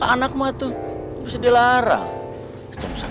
apa mungkin bella dibawa